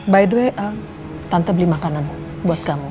by the way tanpa beli makanan buat kamu